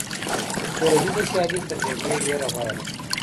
سوله ييزه سيالي تر جګړې ډېره غوره ده.